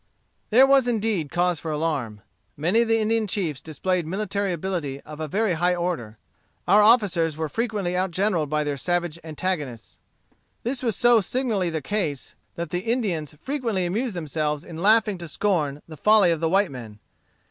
There was indeed cause for alarm. Many of the Indian chiefs displayed military ability of a very high order. Our officers were frequently outgeneralled by their savage antagonists. This was so signally the case that the Indians frequently amused themselves in laughing to scorn the folly of the white men.